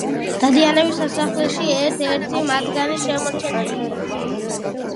დადიანების სასახლეში ერთ-ერთი მათგანი შემორჩენილია.